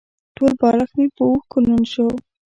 ټول بالښت مې په اوښکو لوند شو.